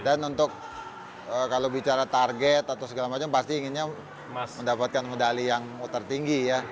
dan untuk kalau bicara target atau segala macam pasti inginnya mendapatkan medali yang tertinggi ya